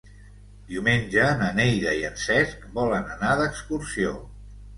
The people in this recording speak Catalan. Diumenge na Neida i en Cesc volen anar d'excursió.